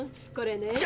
これね。